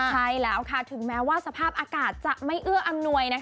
ใช่แล้วค่ะถึงแม้ว่าสภาพอากาศจะไม่เอื้ออำนวย